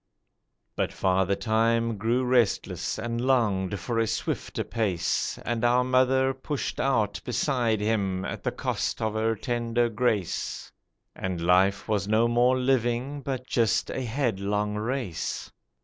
But Father Time grew restless and longed for a swifter pace, And our mother pushed out beside him at the cost of her tender grace, And life was no more living but just a headlong race.